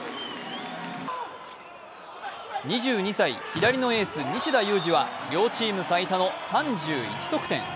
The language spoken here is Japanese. ２２歳、左のエース・西田有志は両チーム最多の３１得点。